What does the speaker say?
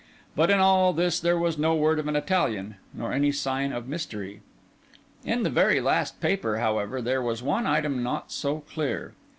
But in all this there was no word of an Italian, nor any sign of mystery. In the very last paper, however, there was one item not so clear.